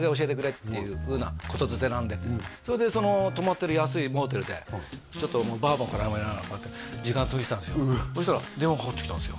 「っていうふうな言づてなんで」ってそれで泊まってる安いモーテルでちょっとバーボンかなんかこうやって時間潰してたんですよそしたら電話かかってきたんですよ